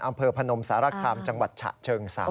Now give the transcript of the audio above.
อำเภอพนมสาระคามจังหวัดฉะเชิงเศร้า